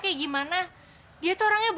tunggu nanti aku malah